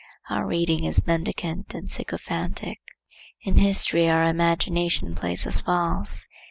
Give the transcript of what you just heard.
Our reading is mendicant and sycophantic. In history our imagination plays us false.